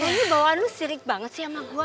ini bawaan lu sirik banget sih sama gue